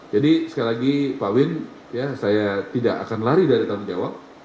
jadi sekali lagi pak win ya saya tidak akan lari dari tanggung jawab